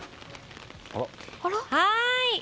はい！